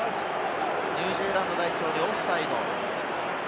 ニュージーランド代表にオフサイド。